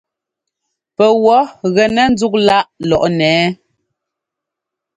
Pɛwɔ̌ gɛnɛ́ ńzúk láꞌ lɔꞌnɛ ɛ́ɛ ?